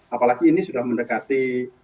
apalagi ini sudah mendekati